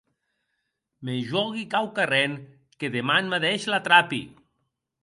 Me jògui quauquarren que deman madeish la trapi.